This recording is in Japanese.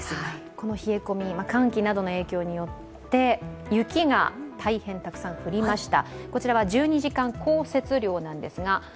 この冷え込み、寒気などの影響によって、雪が大変たくさん降りました。